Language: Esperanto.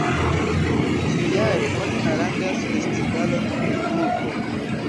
Ĉiujare oni aranĝas festivalon pri bulbo.